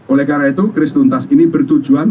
oleh karena itu kris tuntas ini bertujuan